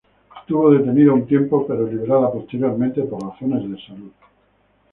Estuvo detenida un tiempo pero liberada posteriormente por razones de salud.